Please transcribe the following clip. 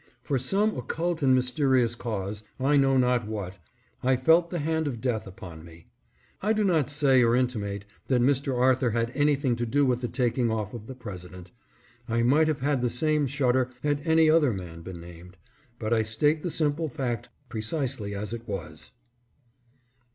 For some occult and mysterious cause, I know not what, I felt the hand of death upon me. I do not 3ay or intimate that Mr. Arthur had anything to do with the taking off of the President. I might have had the same shudder had any other man been named, but I state the simple fact precisely as it was.